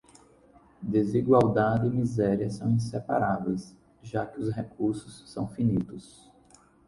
Desigualdade e miséria são inseparáveis, já que os recursos são finitos